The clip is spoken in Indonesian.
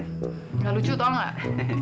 nggak lucu tau nggak